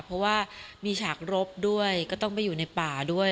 เพราะว่ามีฉากรบด้วยก็ต้องไปอยู่ในป่าด้วย